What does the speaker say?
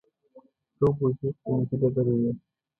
څو بوجۍ قېمتي ډبرې وې.